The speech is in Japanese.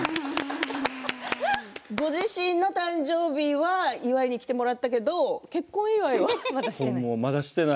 ご自身の誕生日は祝いに来てもらったけど、結婚祝いはまだしてない。